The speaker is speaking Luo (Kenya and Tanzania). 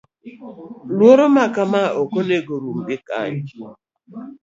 Luor ma kama ok onego orum gi kanyo.